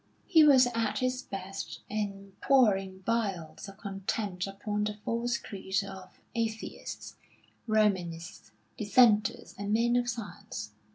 He was at his best in pouring vials of contempt upon the false creed of atheists, Romanists, Dissenters, and men of science.